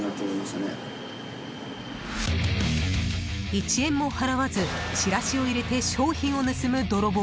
一円も払わずチラシを入れて商品を盗む泥棒。